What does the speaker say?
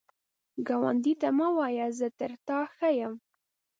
ګاونډي ته مه وایه “زه تر تا ښه یم”